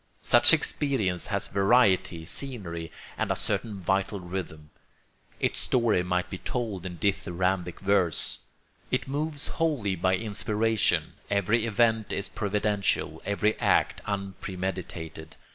Such experience has variety, scenery, and a certain vital rhythm; its story might be told in dithyrambic verse. It moves wholly by inspiration; every event is providential, every act unpremeditated.